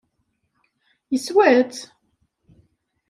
Yeswa-tt?